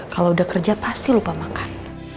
kalau udah kerja pasti lupa makan